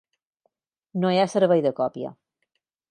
No hi ha servei de còpia.